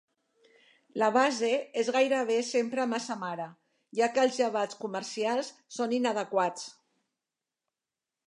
La base és gairebé sempre massa mare, ja que els llevats comercials són inadequats.